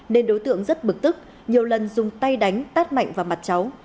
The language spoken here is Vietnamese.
nên đối tượng rất bực tức nhiều lần dùng tay đánh tát mạnh vào mặt cháu